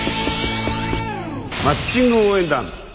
『マッチング応援団！』